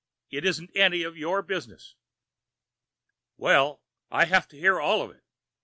It isn't any of your business." "Well, I have to hear all of it.